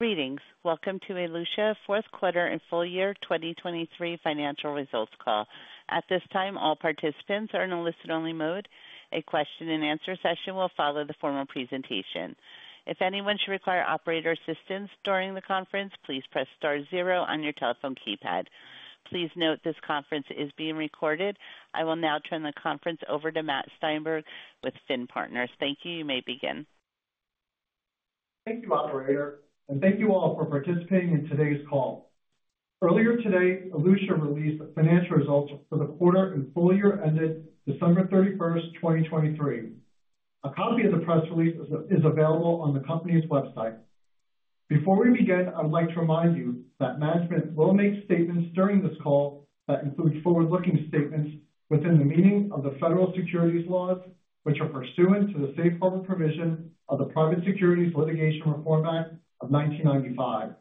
Greetings. Welcome to Elutia fourth quarter and full year 2023 financial results call. At this time, all participants are in a listen-only mode. A question-and-answer session will follow the formal presentation. If anyone should require operator assistance during the conference, please press star zero on your telephone keypad. Please note this conference is being recorded. I will now turn the conference over to Matt Steinberg with FINN Partners. Thank you. You may begin. Thank you, operator, and thank you all for participating in today's call. Earlier today, Elutia released the financial results for the quarter and full year ended December 31st, 2023. A copy of the press release is available on the company's website. Before we begin, I would like to remind you that management will make statements during this call that include forward-looking statements within the meaning of the federal securities laws, which are pursuant to the safe harbor provision of the Private Securities Litigation Reform Act of 1995.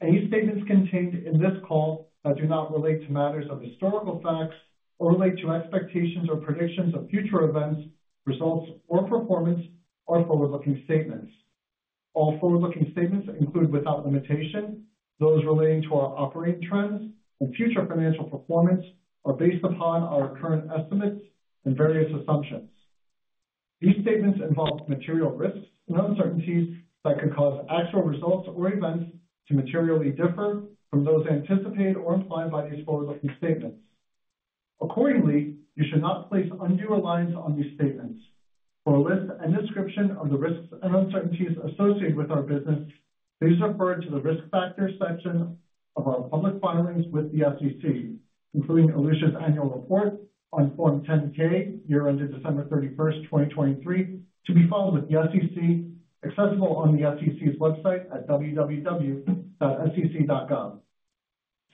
Any statements contained in this call that do not relate to matters of historical facts or relate to expectations or predictions of future events, results, or performance are forward-looking statements. All forward-looking statements, include without limitation, those relating to our operating trends and future financial performance, are based upon our current estimates and various assumptions. These statements involve material risks and uncertainties that could cause actual results or events to materially differ from those anticipated or implied by these forward-looking statements. Accordingly, you should not place undue reliance on these statements. For a list and description of the risks and uncertainties associated with our business, please refer to the Risk Factors section of our public filings with the SEC, including Elutia's annual report on Form 10-K, year ended December 31st, 2023, to be followed with the SEC, accessible on the SEC's website at www.sec.gov.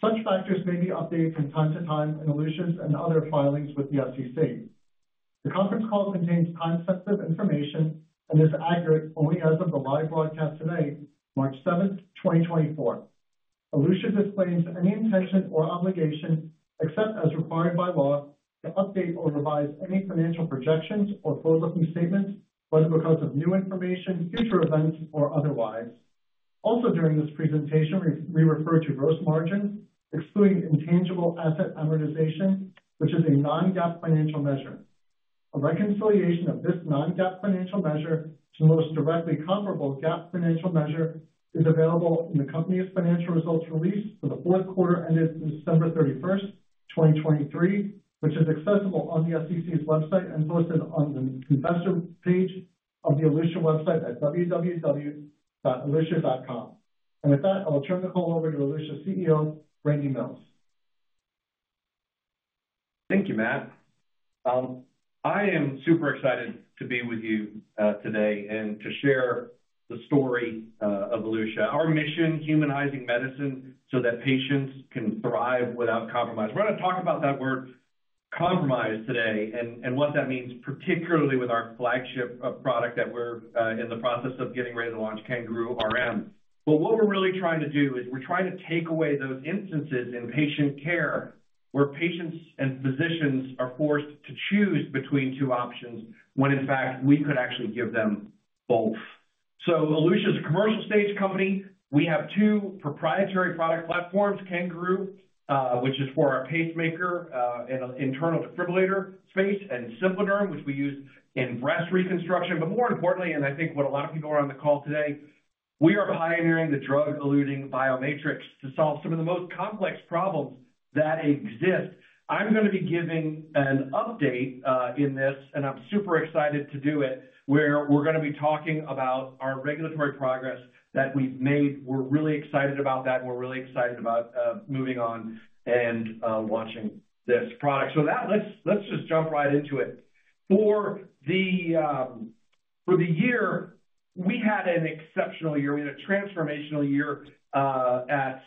Such factors may be updated from time to time in Elutia's and other filings with the SEC. The conference call contains certain information and is accurate only as of the live broadcast today, March 7th, 2024. Elutia disclaims any intention or obligation, except as required by law, to update or revise any financial projections or forward-looking statements, whether because of new information, future events, or otherwise. Also, during this presentation, we refer to gross margins, excluding intangible asset amortization, which is a non-GAAP financial measure. A reconciliation of this non-GAAP financial measure to the most directly comparable GAAP financial measure is available in the company's financial results release for the fourth quarter ended December 31st, 2023, which is accessible on the SEC's website and listed on the investor page of the Elutia website at www.elutia.com. With that, I'll turn the call over to Elutia's CEO, Randy Mills. Thank you, Matt. I am super excited to be with you today and to share the story of Elutia. Our mission: humanizing medicine so that patients can thrive without compromise. We're gonna talk about that word "compromise" today and what that means, particularly with our flagship product that we're in the process of getting ready to launch CanGaroo RM. But what we're really trying to do is we're trying to take away those instances in patient care, where patients and physicians are forced to choose between two options, when in fact, we could actually give them both. So Elutia is a commercial stage company. We have two proprietary product platforms, CanGaroo, which is for our pacemaker and internal defibrillator space, and SimpliDerm, which we use in breast reconstruction. But more importantly, and I think what a lot of people are on the call today, we are pioneering the drug-eluting biomatrix to solve some of the most complex problems that exist. I'm gonna be giving an update in this, and I'm super excited to do it, where we're gonna be talking about our regulatory progress that we've made. We're really excited about that, and we're really excited about moving on and launching this product. So let's just jump right into it. For the year, we had an exceptional year. We had a transformational year at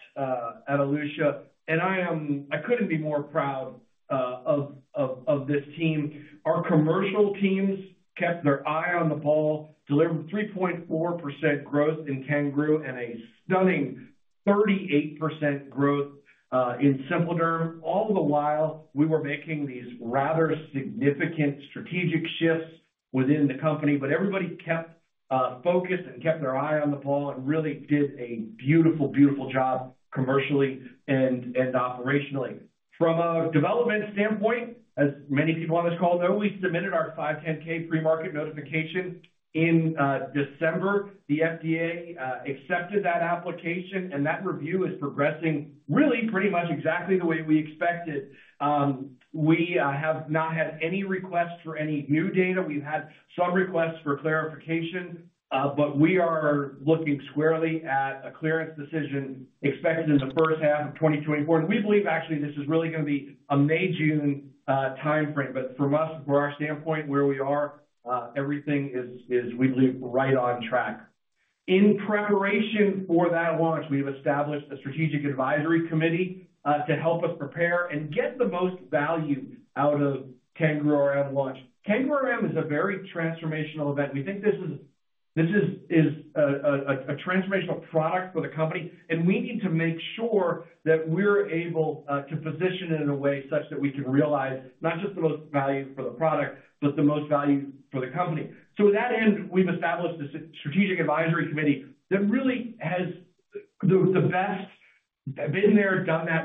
Elutia, and I couldn't be more proud of this team. Our commercial teams kept their eye on the ball, delivered 3.4% growth in CanGaroo and a stunning 38% growth in SimpliDerm. All the while, we were making these rather significant strategic shifts within the company, but everybody kept focused and kept their eye on the ball and really did a beautiful, beautiful job commercially and operationally. From a development standpoint, as many people on this call know, we submitted our 510(k) premarket notification in December. The FDA accepted that application, and that review is progressing really pretty much exactly the way we expected. We have not had any requests for any new data. We've had some requests for clarification, but we are looking squarely at a clearance decision expected in the first half of 2024, and we believe, actually, this is really gonna be a May, June timeframe. But from us, from our standpoint, where we are, everything is, we believe, right on track. In preparation for that launch, we have established a strategic advisory committee to help us prepare and get the most value out of CanGaroo RM launch. CanGaroo RM is a very transformational event. We think this is a transformational product for the company, and we need to make sure that we're able to position it in a way such that we can realize not just the most value for the product, but the most value for the company. So with that end, we've established the strategic advisory committee that really has the best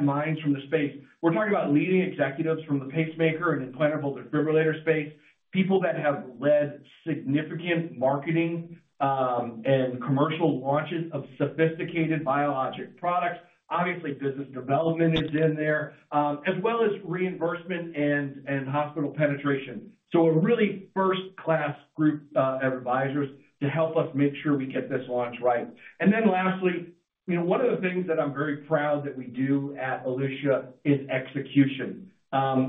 minds from the space. We're talking about leading executives from the pacemaker and implantable defibrillator space, people that have led significant marketing and commercial launches of sophisticated biologic products. Obviously, business development is in there, as well as reimbursement and hospital penetration. So a really first-class group of advisors to help us make sure we get this launch right. And then lastly, you know, one of the things that I'm very proud that we do at Elutia is execution.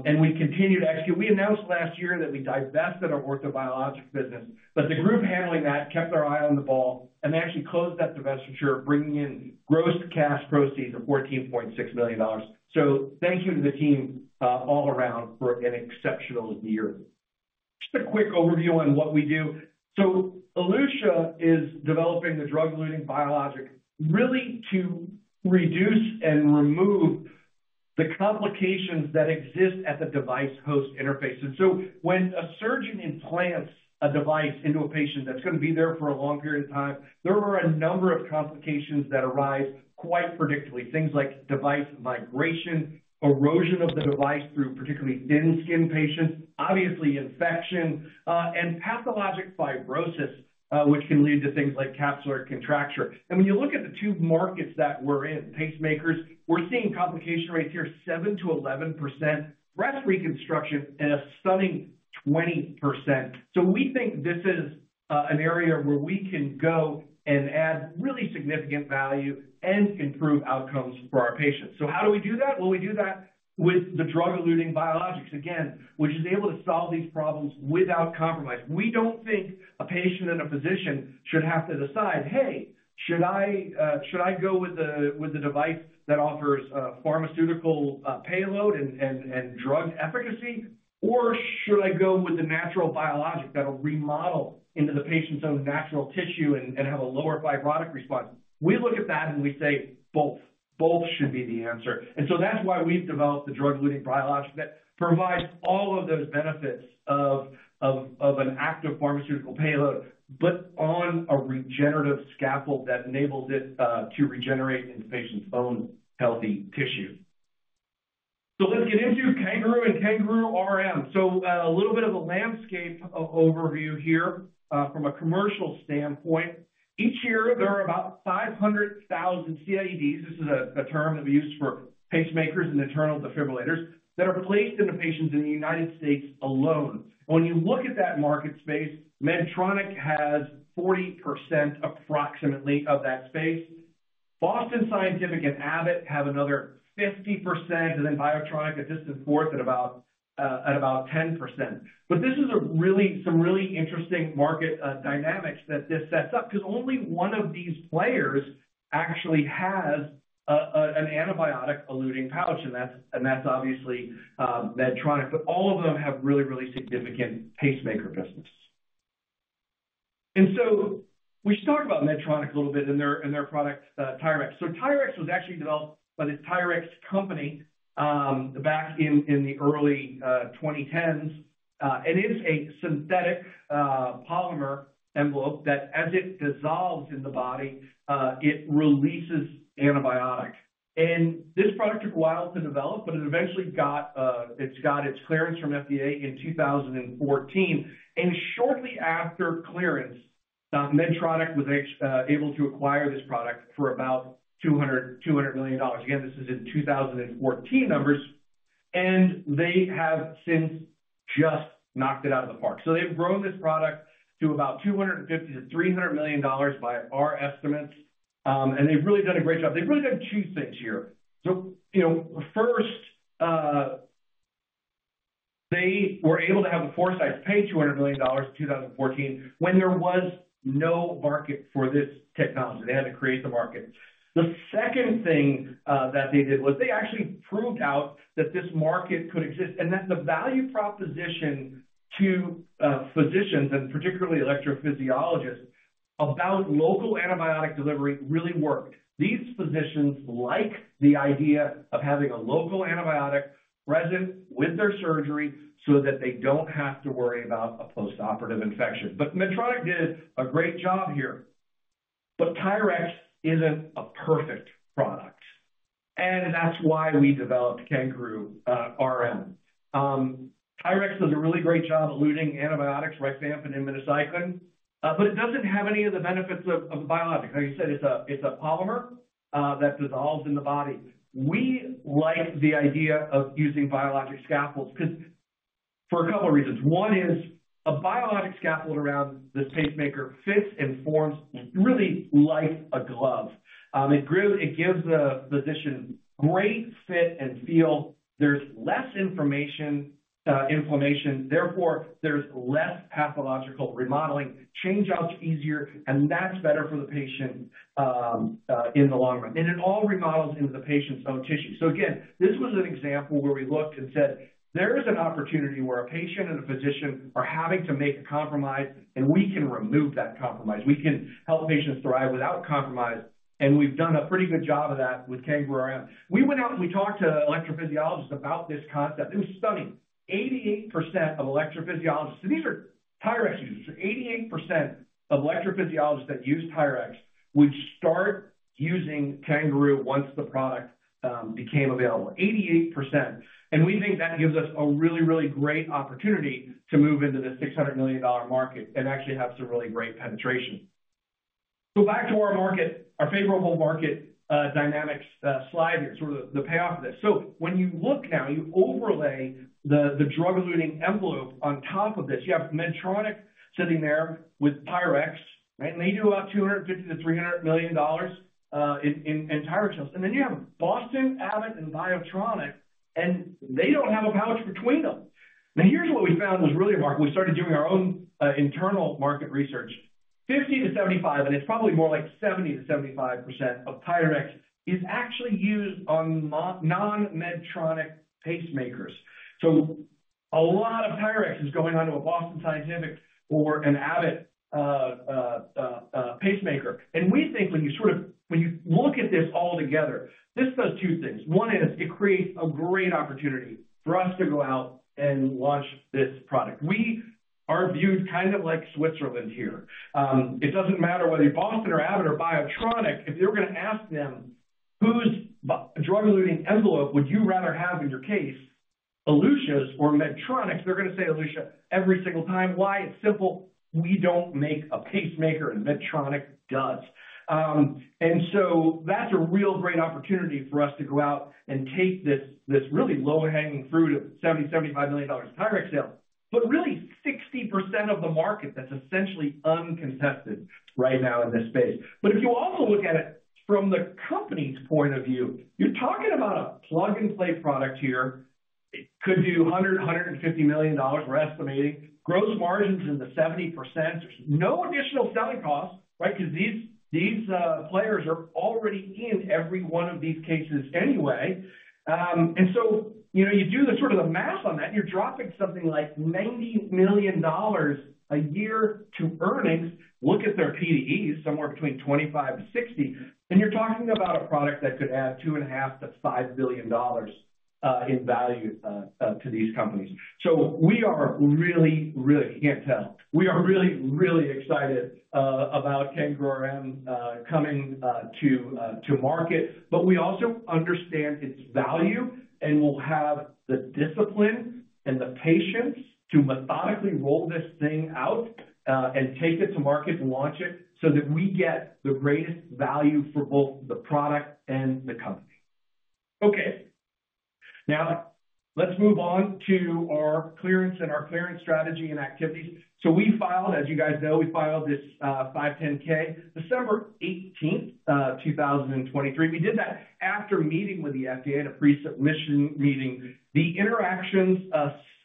And we continue to execute. We announced last year that we divested our orthobiologic business, but the group handling that kept their eye on the ball, and they actually closed that divestiture, bringing in gross cash proceeds of $14.6 million. So thank you to the team all around for an exceptional year. Just a quick overview on what we do. So Elutia is developing the drug-eluting biologic, really to reduce and remove the complications that exist at the device host interface. When a surgeon implants a device into a patient that's going to be there for a long period of time, there are a number of complications that arise quite predictably. Things like device migration, erosion of the device through particularly thin-skin patients, obviously infection, and pathologic fibrosis, which can lead to things like capsular contracture. When you look at the two markets that we're in, pacemakers, we're seeing complication rates here, 7%-11%. Breast reconstruction, and a stunning 20%. We think this is an area where we can go and add really significant value and improve outcomes for our patients. So how do we do that? Well, we do that with the drug-eluting biologics, again, which is able to solve these problems without compromise. We don't think a patient and a physician should have to decide, "Hey, should I, should I go with the, with the device that offers, pharmaceutical, payload and, and, and drug efficacy? Or should I go with the natural biologic that'll remodel into the patient's own natural tissue and, and have a lower fibrotic response?" We look at that and we say, both. Both should be the answer. And so that's why we've developed the drug-eluting biologic that provides all of those benefits of, of, of an active pharmaceutical payload, but on a regenerative scaffold that enables it, to regenerate into the patient's own healthy tissue. So let's get into CanGaroo and CanGaroo RM. So, a little bit of a landscape of overview here, from a commercial standpoint. Each year, there are about 500,000 CIEDs, this is a term that we use for pacemakers and internal defibrillators, that are placed in the patients in the United States alone. When you look at that market space, Medtronic has 40%, approximately, of that space. Boston Scientific and Abbott have another 50%, and then Biotronik is just fourth at about 10%. But this is a really, some really interesting market dynamics that this sets up, 'cause only one of these players actually has an antibiotic-eluting pouch, and that's obviously Medtronic, but all of them have really, really significant pacemaker business. And so we should talk about Medtronic a little bit and their product, TYRX. So TYRX was actually developed by the TYRX company, back in, in the early 2010s, and it is a synthetic polymer envelope that as it dissolves in the body, it releases antibiotics. And this product took a while to develop, but it eventually got, it's got its clearance from FDA in 2014, and shortly after clearance, Medtronic was able to acquire this product for about $200 million. Again, this is in 2014 numbers, and they have since just knocked it out of the park. So they've grown this product to about $250 million-$300 million by our estimates, and they've really done a great job. They've really done two things here. So you know, first, they were able to have the foresight to pay $200 million in 2014 when there was no market for this technology. They had to create the market. The second thing, that they did was they actually proved out that this market could exist, and that the value proposition to, physicians, and particularly electrophysiologists, about local antibiotic delivery really worked. These physicians like the idea of having a local antibiotic present with their surgery so that they don't have to worry about a postoperative infection. But Medtronic did a great job here. But TYRX isn't a perfect product, and that's why we developed CanGaroo RM. TYRX does a really great job eluting antibiotics, rifampin and minocycline, but it doesn't have any of the benefits of biologics. Like I said, it's a polymer that dissolves in the body. We like the idea of using biologic scaffolds 'cause for a couple of reasons. One is a biologic scaffold around this pacemaker fits and forms really like a glove. It gives the physician great fit and feel. There's less inflammation, therefore, there's less pathological remodeling, change out's easier, and that's better for the patient in the long run. And it all remodels into the patient's own tissue. So again, this was an example where we looked and said, there is an opportunity where a patient and a physician are having to make a compromise, and we can remove that compromise. We can help patients thrive without compromise, and we've done a pretty good job of that with CanGaroo RM. We went out and we talked to electrophysiologists about this concept. It was stunning. 88% of electrophysiologists... So these are TYRX users. 88% of electrophysiologists that use TYRX would start using CanGaroo once the product became available. 88%, and we think that gives us a really, really great opportunity to move into this $600 million market and actually have some really great penetration.... So back to our market, our favorable market dynamics slide here, sort of the payoff of this. So when you look now, you overlay the drug-eluting envelope on top of this. You have Medtronic sitting there with TYRX, right? And they do about $250 million-$300 million in TYRX sales. And then you have Boston, Abbott, and Biotronik, and they don't have a pouch between them. Now, here's what we found was really remarkable. We started doing our own internal market research. 50-75, and it's probably more like 70-75% of TYRX is actually used on non-Medtronic pacemakers. So a lot of TYRX is going on to a Boston Scientific or an Abbott pacemaker. And we think when you sort of when you look at this all together, this does two things. One is it creates a great opportunity for us to go out and launch this product. We are viewed kind of like Switzerland here. It doesn't matter whether you're Boston or Abbott or Biotronik, if you're going to ask them, "Whose drug-eluting envelope would you rather have in your case, Elutia's or Medtronic's?" They're going to say Elutia every single time. Why? It's simple. We don't make a pacemaker, and Medtronic does. And so that's a real great opportunity for us to go out and take this, this really low-hanging fruit of $70-$75 million TYRX sale, but really, 60% of the market that's essentially uncontested right now in this space. But if you also look at it from the company's point of view, you're talking about a plug-and-play product here. It could do $100-$150 million, we're estimating. Gross margins in the 70%. No additional selling costs, right? Because these, these, players are already in every one of these cases anyway. And so, you know, you do the sort of the math on that, you're dropping something like $90 million a year to earnings. Look at their P/Es, somewhere between 25-60, and you're talking about a product that could add $2.5 billion-$5 billion in value to these companies. So we are really, really can't wait. We are really, really excited about CanGaroo RM coming to market, but we also understand its value, and we'll have the discipline and the patience to methodically roll this thing out and take it to market and launch it so that we get the greatest value for both the product and the company. Okay, now let's move on to our clearance and our clearance strategy and activities. So we filed, as you guys know, we filed this 510(k), December 18, 2023. We did that after meeting with the FDA at a pre-submission meeting. The interactions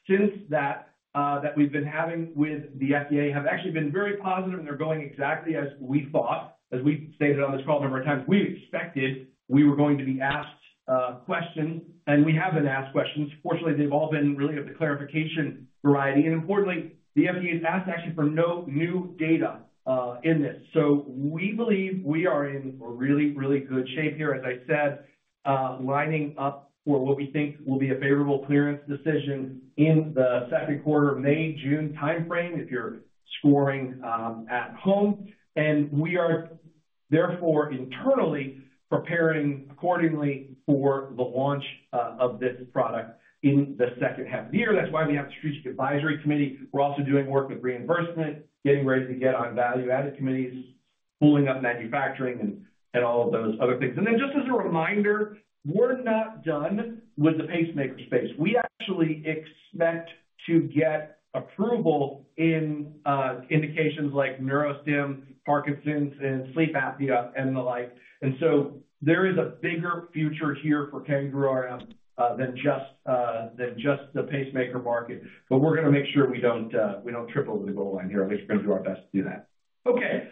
since that that we've been having with the FDA have actually been very positive, and they're going exactly as we thought. As we stated on this call a number of times, we expected we were going to be asked questions, and we have been asked questions. Fortunately, they've all been really of the clarification variety, and importantly, the FDA has asked actually for no new data in this. So we believe we are in really, really good shape here. As I said, lining up for what we think will be a favorable clearance decision in the second quarter of May, June time frame, if you're scoring at home. We are therefore internally preparing accordingly for the launch of this product in the second half of the year. That's why we have Strategic Advisory Committee. We're also doing work with reimbursement, getting ready to get on value-added committees, pulling up manufacturing and all of those other things. Then, just as a reminder, we're not done with the pacemaker space. We actually expect to get approval in indications like neurostim, Parkinson's, and sleep apnea, and the like. And so there is a bigger future here for CanGaroo RM than just the pacemaker market. But we're going to make sure we don't trip over the goal line here, at least we're going to do our best to do that. Okay,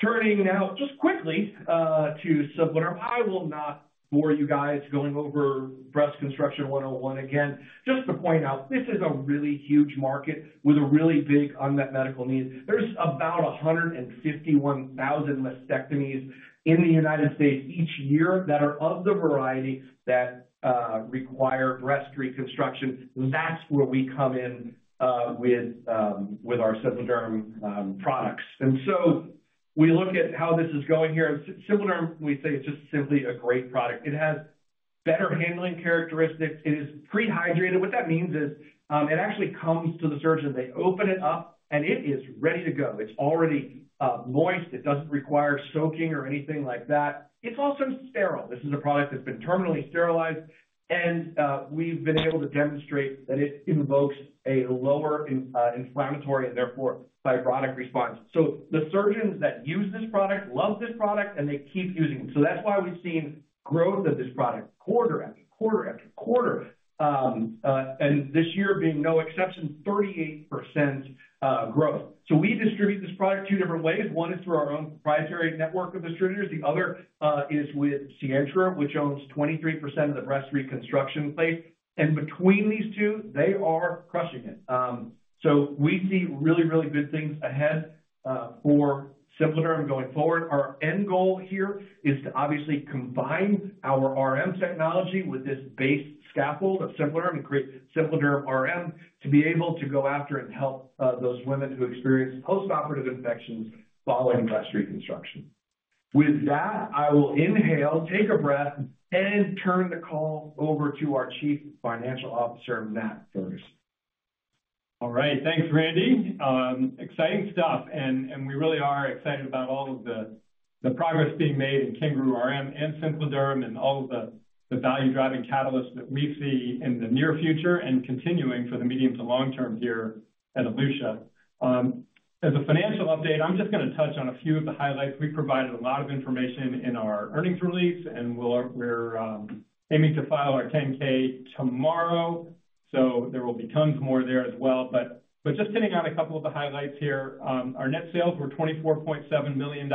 turning now just quickly to SimpliDerm. I will not bore you guys going over breast reconstruction one-on-one again. Just to point out, this is a really huge market with a really big unmet medical need. There's about 151,000 mastectomies in the United States each year that are of the variety that require breast reconstruction. That's where we come in with our SimpliDerm products. And so we look at how this is going here. SimpliDerm, we say, it's just simply a great product. It has better handling characteristics. It is pre-hydrated. What that means is it actually comes to the surgeon, they open it up, and it is ready to go. It's already moist. It doesn't require soaking or anything like that. It's also sterile. This is a product that's been terminally sterilized, and we've been able to demonstrate that it invokes a lower inflammatory and therefore fibrotic response. So the surgeons that use this product love this product, and they keep using it. So that's why we've seen growth of this product quarter after quarter after quarter, and this year being no exception, 38% growth. So we distribute this product two different ways. One is through our own proprietary network of distributors. The other is with Sientra, which owns 23% of the breast reconstruction space, and between these two, they are crushing it. So we see really, really good things ahead for SimpliDerm going forward. Our end goal here is to obviously combine our RM technology with this base scaffold of SimpliDerm and create SimpliDerm RM, to be able to go after and help those women who experience postoperative infections following breast reconstruction. With that, I will inhale, take a breath, and turn the call over to our Chief Financial Officer, Matt Ferguson. ... All right. Thanks, Randy. Exciting stuff, and we really are excited about all of the progress being made in CanGaroo RM and SimpliDerm and all of the value-driving catalysts that we see in the near future and continuing for the medium to long-term here at Elutia. As a financial update, I'm just gonna touch on a few of the highlights. We provided a lot of information in our earnings release, and we're aiming to file our 10-K tomorrow, so there will be tons more there as well. But just hitting on a couple of the highlights here. Our net sales were $24.7 million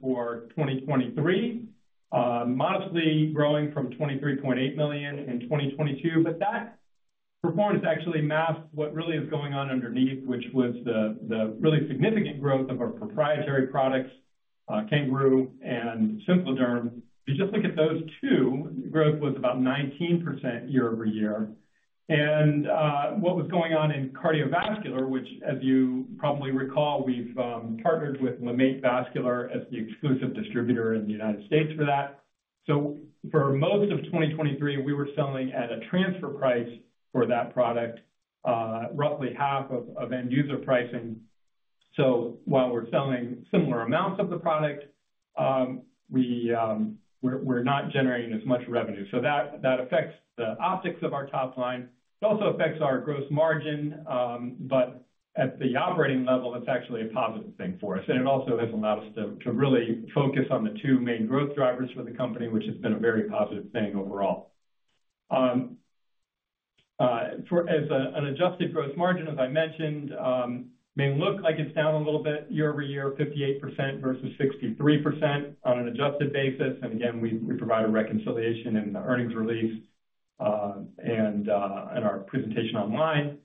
for 2023, modestly growing from $23.8 million in 2022. But that performance actually masked what really is going on underneath, which was the really significant growth of our proprietary products, CanGaroo and SimpliDerm. If you just look at those two, growth was about 19% year-over-year. And what was going on in cardiovascular, which, as you probably recall, we've partnered with LeMaitre Vascular as the exclusive distributor in the United States for that. So for most of 2023, we were selling at a transfer price for that product, roughly half of end user pricing. So while we're selling similar amounts of the product, we're not generating as much revenue. So that affects the optics of our top line. It also affects our gross margin, but at the operating level, that's actually a positive thing for us, and it also has allowed us to really focus on the two main growth drivers for the company, which has been a very positive thing overall. As for an adjusted gross margin, as I mentioned, may look like it's down a little bit year-over-year, 58% versus 63% on an adjusted basis. And again, we provide a reconciliation in the earnings release, and in our presentation online.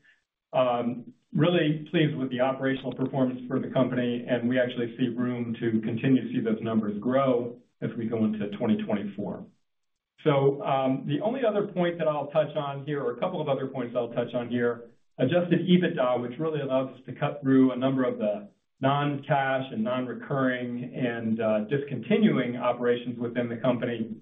Really pleased with the operational performance for the company, and we actually see room to continue to see those numbers grow as we go into 2024. So, the only other point that I'll touch on here, or a couple of other points I'll touch on here, Adjusted EBITDA, which really allows us to cut through a number of the non-cash and non-recurring and, discontinuing operations within the company.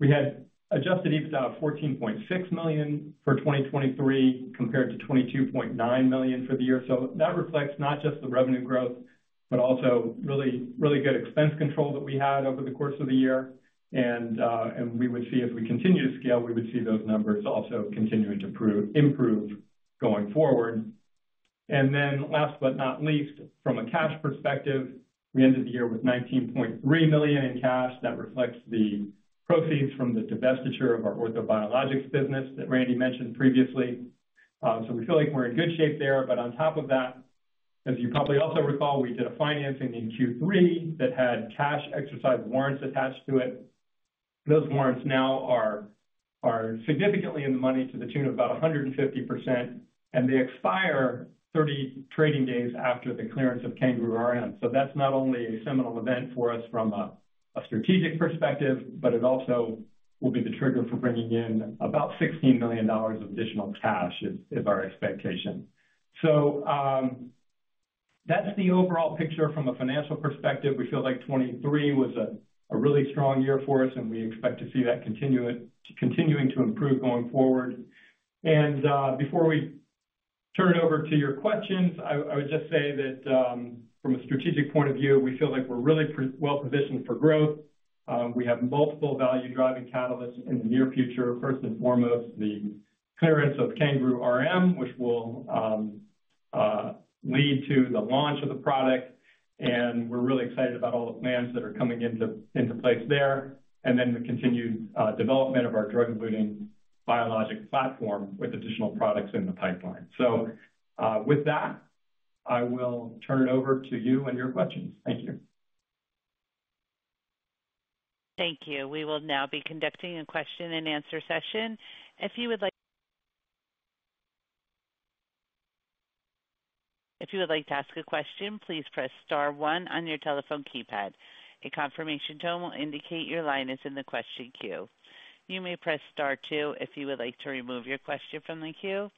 We had Adjusted EBITDA of $14.6 million for 2023, compared to $22.9 million for the year. So that reflects not just the revenue growth, but also really, really good expense control that we had over the course of the year. And, and we would see as we continue to scale, we would see those numbers also continuing to improve, improve going forward. And then last but not least, from a cash perspective, we ended the year with $19.3 million in cash. That reflects the proceeds from the divestiture of our orthobiologics business that Randy mentioned previously. So we feel like we're in good shape there, but on top of that, as you probably also recall, we did a financing in Q3 that had cash exercise warrants attached to it. Those warrants now are significantly in the money to the tune of about 150%, and they expire 30 trading days after the clearance of CanGaroo RM. So that's not only a seminal event for us from a strategic perspective, but it also will be the trigger for bringing in about $16 million of additional cash, is our expectation. So that's the overall picture from a financial perspective. We feel like 2023 was a really strong year for us, and we expect to see that continuing to improve going forward. Before we turn it over to your questions, I would just say that, from a strategic point of view, we feel like we're really well-positioned for growth. We have multiple value-driving catalysts in the near future. First and foremost, the clearance of CanGaroo RM, which will lead to the launch of the product, and we're really excited about all the plans that are coming into place there, and then the continued development of our drug-eluting biologic platform with additional products in the pipeline. With that, I will turn it over to you and your questions. Thank you. Thank you. We will now be conducting a question-and-answer session. If you would like to ask a question, please press star one on your telephone keypad. A confirmation tone will indicate your line is in the question queue. You may press star two if you would like to remove your question from the queue.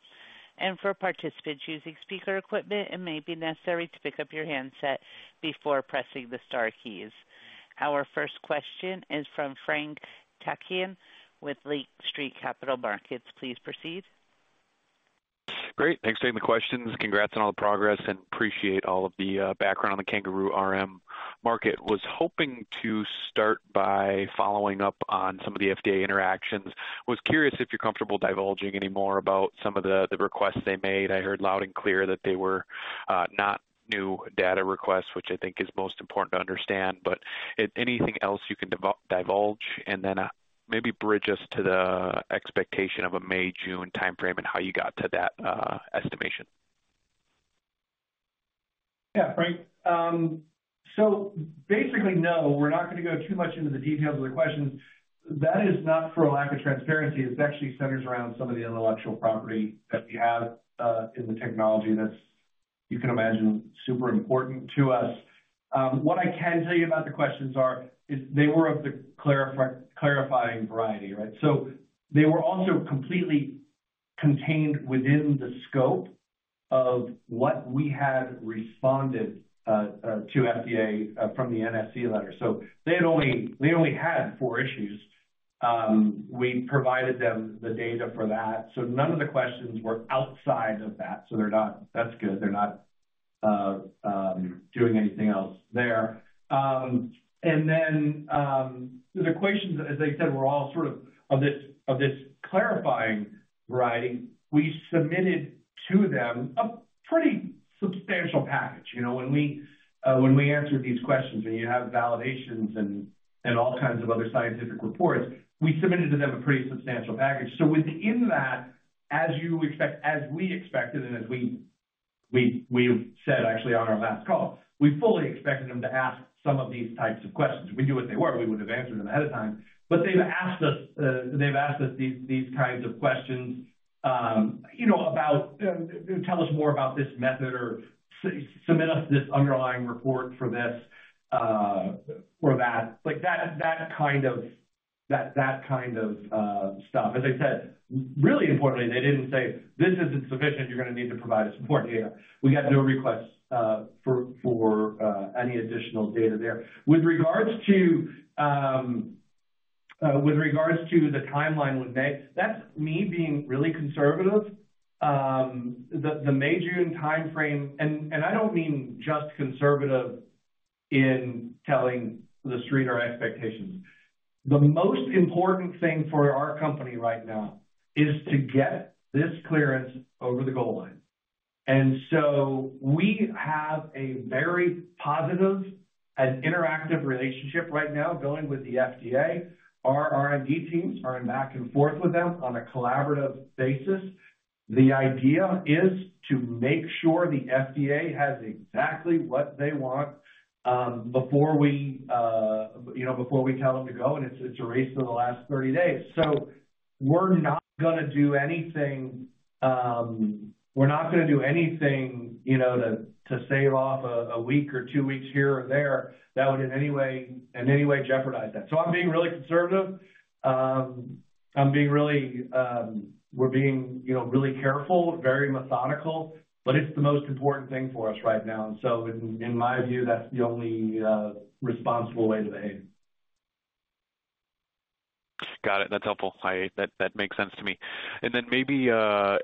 For participants using speaker equipment, it may be necessary to pick up your handset before pressing the star keys. Our first question is from Frank Takkinen with Lake Street Capital Markets. Please proceed. Great. Thanks for taking the questions. Congrats on all the progress, and appreciate all of the background on the CanGaroo RM market. Was hoping to start by following up on some of the FDA interactions. Was curious if you're comfortable divulging any more about some of the requests they made. I heard loud and clear that they were not new data requests, which I think is most important to understand, but anything else you can divulge, and then maybe bridge us to the expectation of a May-June timeframe and how you got to that estimation? Yeah, Frank. So basically, no, we're not going to go too much into the details of the questions. That is not for a lack of transparency. It actually centers around some of the intellectual property that we have in the technology. That's, you can imagine, super important to us. What I can tell you about the questions is they were of the clarifying variety, right? So they were also completely contained within the scope.... of what we had responded to FDA from the NSE letter. So they only had four issues. We provided them the data for that, so none of the questions were outside of that. So they're not-- that's good, they're not doing anything else there. And then the questions, as I said, were all sort of this clarifying variety. We submitted to them a pretty substantial package. You know, when we answered these questions, and you have validations and all kinds of other scientific reports, we submitted to them a pretty substantial package. So within that, as we expected and as we said actually on our last call, we fully expected them to ask some of these types of questions. We knew what they were, we would have answered them ahead of time. But they've asked us, they've asked us these, these kinds of questions, you know, about, tell us more about this method, or submit us this underlying report for this, or that. Like, that, that kind of, that, that kind of, stuff. As I said, really importantly, they didn't say, "This isn't sufficient. You're gonna need to provide us more data." We got no requests, for, for, any additional data there. With regards to, with regards to the timeline with May, that's me being really conservative. The, the May-June timeframe... And, and I don't mean just conservative in telling the street our expectations. The most important thing for our company right now is to get this clearance over the goal line. So we have a very positive and interactive relationship right now going with the FDA. Our R&D teams are in back and forth with them on a collaborative basis. The idea is to make sure the FDA has exactly what they want, before we, you know, before we tell them to go, and it's a race to the last 30 days. So we're not gonna do anything, we're not gonna do anything, you know, to save off a week or two weeks here or there, that would in any way, in any way jeopardize that. So I'm being really conservative. I'm being really, we're being, you know, really careful, very methodical, but it's the most important thing for us right now. So in my view, that's the only responsible way to behave. Got it. That's helpful. That, that makes sense to me. And then maybe,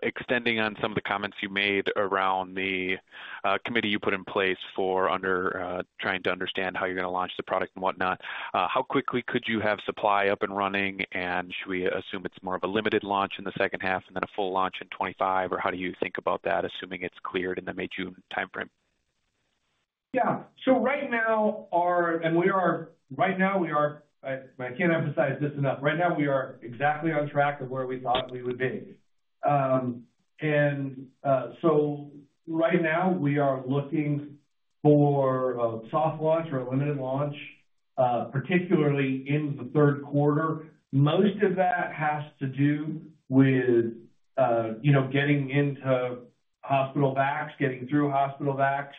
extending on some of the comments you made around the, committee you put in place for under, trying to understand how you're gonna launch the product and whatnot. How quickly could you have supply up and running? And should we assume it's more of a limited launch in the second half and then a full launch in 2025? Or how do you think about that, assuming it's cleared in the May-June timeframe? Yeah. So right now, we are exactly on track of where we thought we would be. I can't emphasize this enough. Right now, we are looking for a soft launch or a limited launch, particularly in the third quarter. Most of that has to do with, you know, getting into hospital P&Ts, getting through hospital P&Ts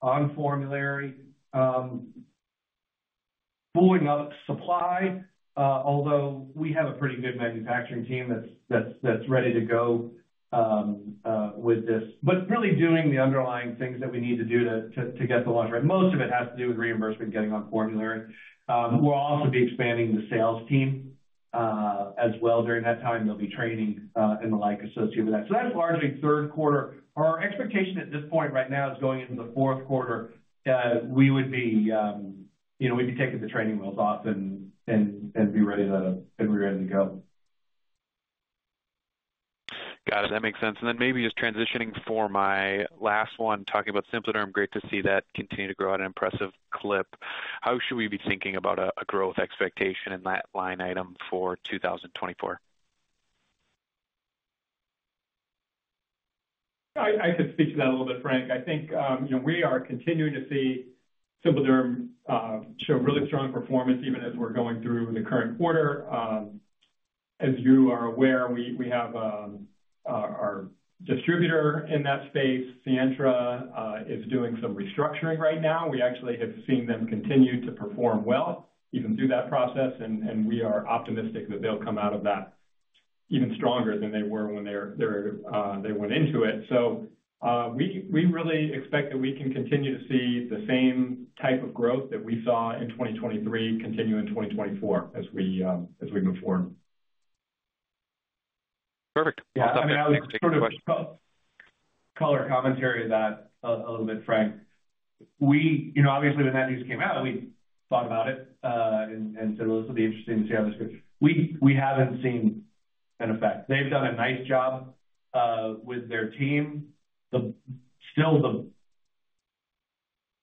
on formulary, ramping up supply, although we have a pretty good manufacturing team that's ready to go with this. But really doing the underlying things that we need to do to get the launch right. Most of it has to do with reimbursement, getting on formulary. We'll also be expanding the sales team as well during that time. There'll be training, and the like, associated with that. So that's largely third quarter. Our expectation at this point right now is going into the fourth quarter, we would be, you know, we'd be taking the training wheels off and, and, and be ready to, and we're ready to go. Got it. That makes sense. Then maybe just transitioning for my last one, talking about SimpliDerm, great to see that continue to grow at an impressive clip. How should we be thinking about a growth expectation in that line item for 2024? I could speak to that a little bit, Frank. I think, you know, we are continuing to see SimpliDerm show really strong performance, even as we're going through the current quarter. As you are aware, we have our distributor in that space, Sientra, is doing some restructuring right now. We actually have seen them continue to perform well, even through that process, and we are optimistic that they'll come out of that even stronger than they were when they went into it. So, we really expect that we can continue to see the same type of growth that we saw in 2023 continue in 2024 as we move forward. Perfect. I mean, I would sort of color commentary that a little bit, Frank. We-- you know, obviously, when that news came out, we thought about it, and, and said, "Well, this will be interesting to see how this goes." We, we haven't seen an effect. They've done a nice job with their team. The-- still, the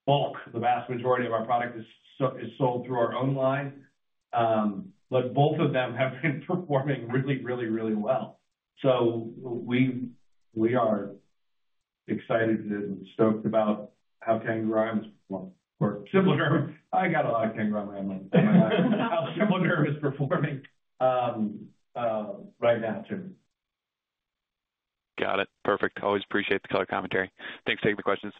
bulk, the vast majority of our product is so-- is sold through our own line, but both of them have been performing really, really, really well. So we, we are excited and stoked about how CanGaroo is working or SimpliDerm. I got a lot of CanGaroo in my mind. How SimpliDerm is performing right now, too. Got it. Perfect. Always appreciate the color commentary. Thanks for taking the questions.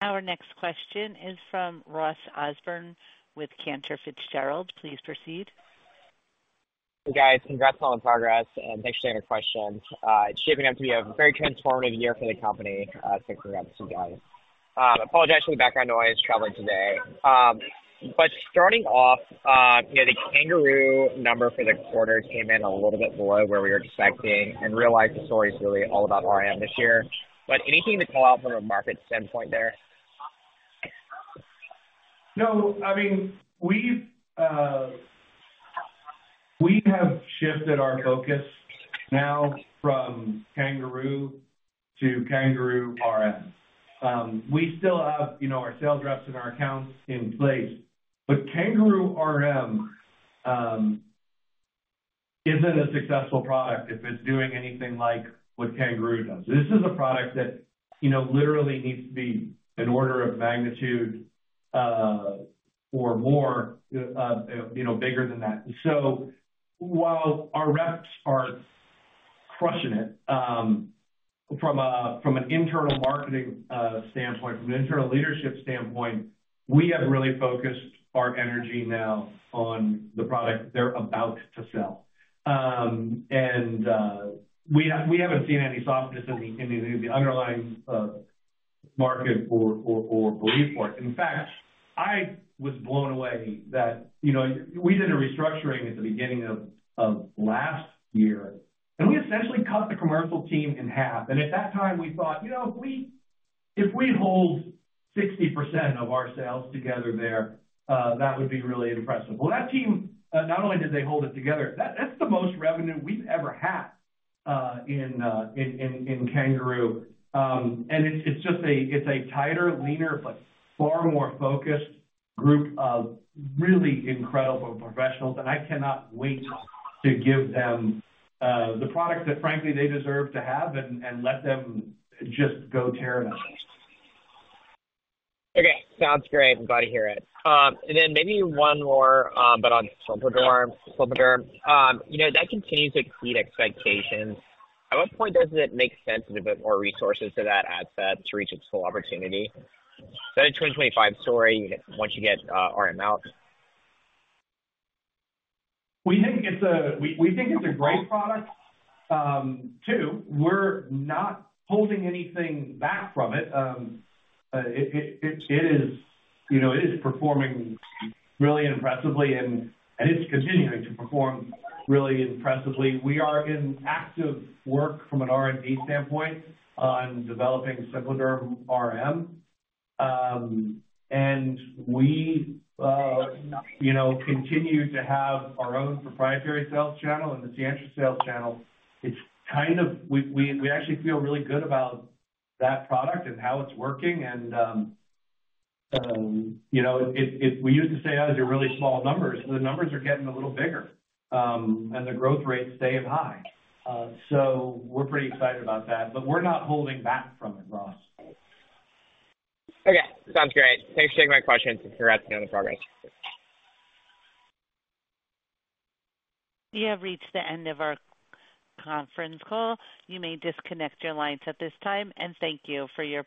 ...Our next question is from Ross Osborn with Cantor Fitzgerald. Please proceed. Hey, guys. Congrats on the progress, and thanks for taking our questions. It's shaping up to be a very transformative year for the company, since we got you guys. I apologize for the background noise, traveling today. But starting off, you know, the CanGaroo number for the quarter came in a little bit below where we were expecting, and realized the story is really all about RM this year. But anything to call out from a market standpoint there? No, I mean, we have shifted our focus now from CanGaroo to CanGaroo RM. We still have, you know, our sales reps and our accounts in place, but CanGaroo RM isn't a successful product if it's doing anything like what CanGaroo does. This is a product that, you know, literally needs to be an order of magnitude or more, you know, bigger than that. So while our reps are crushing it from an internal marketing standpoint, from an internal leadership standpoint, we have really focused our energy now on the product they're about to sell. And we haven't seen any softness in the underlying market for CIEDs. In fact, I was blown away that, you know, we did a restructuring at the beginning of last year, and we essentially cut the commercial team in half. And at that time, we thought, you know, if we hold 60% of our sales together there, that would be really impressive. Well, that team not only did they hold it together, that's the most revenue we've ever had in CanGaroo. And it's just a tighter, leaner, but far more focused group of really incredible professionals, and I cannot wait to give them the product that frankly, they deserve to have and let them just go tear it up. Okay, sounds great. I'm glad to hear it. And then maybe one more, but on SimpliDerm, SimpliDerm. You know, that continues to exceed expectations. At what point does it make sense with a bit more resources to that asset to reach its full opportunity? Is that a 2025 story once you get RM out? We think it's a great product. Too, we're not holding anything back from it. It is, you know, it is performing really impressively, and it's continuing to perform really impressively. We are in active work from an R&D standpoint on developing SimpliDerm RM. And we, you know, continue to have our own proprietary sales channel and the Sientra sales channel. We actually feel really good about that product and how it's working, and, you know, we used to say, Oh, they're really small numbers. The numbers are getting a little bigger, and the growth rate is staying high. So we're pretty excited about that, but we're not holding back from it, Ross. Okay, sounds great. Thanks for taking my questions. Congrats on the progress. You have reached the end of our conference call. You may disconnect your lines at this time, and thank you for your participation.